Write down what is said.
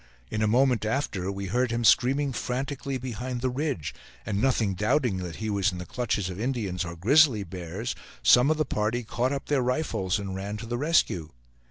In a moment after we heard him screaming frantically behind the ridge, and nothing doubting that he was in the clutches of Indians or grizzly bears, some of the party caught up their rifles and ran to the rescue.